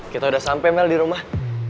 kita udah sampai mel di rumah